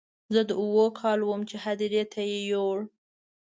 زه د اوو کالو وم چې هدیرې ته یې یووړ.